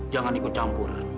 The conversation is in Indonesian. jangan ikut campur